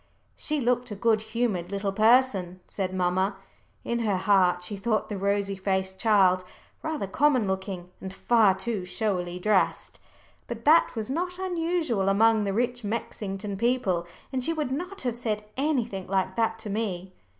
"She looked a good humoured little person," said mamma. In her heart she thought the rosy faced child rather common looking and far too showily dressed, but that was not unusual among the rich Mexington people, and she would not have said anything like that to me.